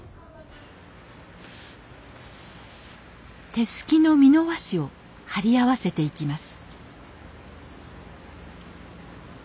手すきの美濃和紙を貼り合わせていきます